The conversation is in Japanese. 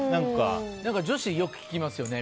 女子、よく聞きますよね。